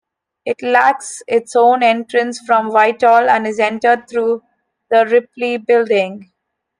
It lacks its own entrance from Whitehall and is entered through the Ripley Building.